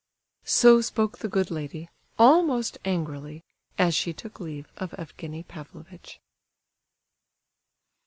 So spoke the good lady, almost angrily, as she took leave of Evgenie Pavlovitch.